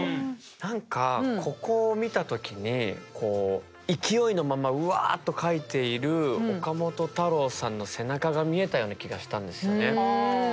何かここを見た時にこう勢いのままうわっと描いている岡本太郎さんの背中が見えたような気がしたんですよね。